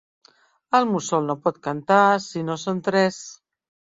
El mussol no pot cantar si no són tres.